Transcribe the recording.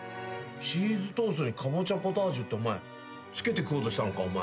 チーズトーストにカボチャポタージュってお前つけて食おうとしたのかお前。